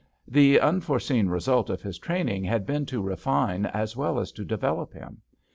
The unforeseen result of his training had been to refine as well as to develop him.